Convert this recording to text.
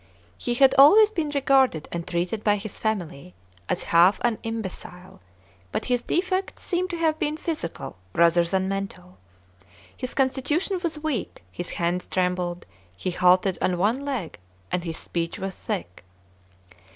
He had always been regarded arid treated by his family as half an imbecile, but his defects seem to have been physical rather than mental. His constitution was weak : his hands trembled ; he halted on one leg ; and his speech was thick.